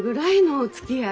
おつきあい？